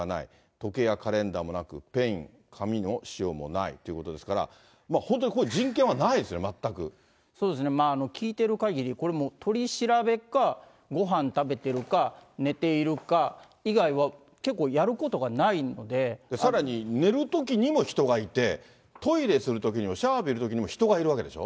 時計やカレンダーもなく、ペン、紙の使用もないということですが、本当にこれ、そうですね、聞いてるかぎり、これもう取り調べか、ごはん食べてるか、寝ているか以外は結構、さらに寝るときにも人がいて、トイレするときにも、シャワー浴びるときにも人がいるわけでしょ。